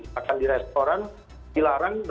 makan di restoran dilarang